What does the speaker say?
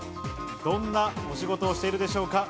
どんなお仕事をしているでしょうか？